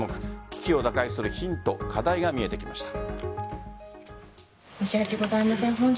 危機を打開するヒント課題が見えてきました。